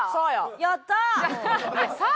やったー！